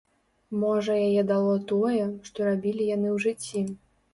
Можа яе дало тое, што рабілі яны ў жыцці.